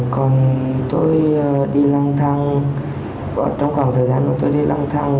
còn tôi đi lăng thang trong khoảng thời gian đó tôi đi lăng thang